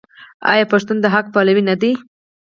آیا پښتون د حق پلوی نه دی؟